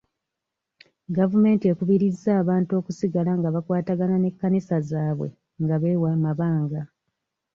Gavumenti ekubirizza abantu okusigala nga bakwatagana n'ekkanisa zaabwe nga beewa amabanga.